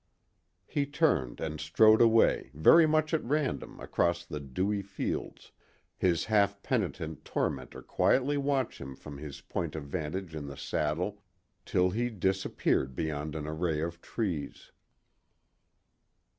He turned and strode away, very much at random, across the dewy fields, his half penitent tormentor quietly watching him from his point of vantage in the saddle till he disappeared beyond an array of trees.